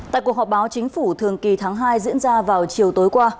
tại cuộc họp báo chính phủ thường kỳ tháng hai diễn ra vào chiều tối qua